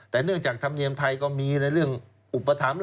แต่เนื่องจากธรรมเนียมไทยก็มีในเรื่องอุปถัมภ์